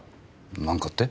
何かって？